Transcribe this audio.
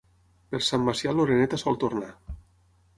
Per Sant Macià l'oreneta sol tornar.